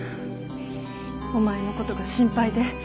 お前のことが心配で。